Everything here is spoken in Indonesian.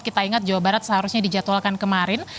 kita ingat jawa barat seharusnya dijadwalkan kemarin